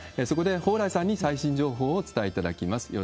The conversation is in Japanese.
そこで、蓬莱さんに最新情報をお伝えいただきます。